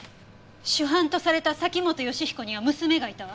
主犯とされた崎本善彦には娘がいたわ。